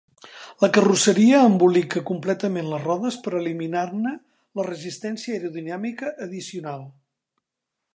La carrosseria embolica completament les rodes per eliminar-ne la resistència aerodinàmica addicional.